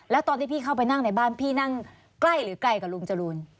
แล้วตอนที่พี่เข้าไปนั่งในบ้านพี่นั่งใกล้หรือไกลกับลุงจรูน